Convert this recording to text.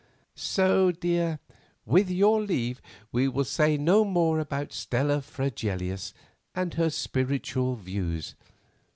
"So, dear, with your leave, we will say no more about Stella Fregelius and her spiritual views.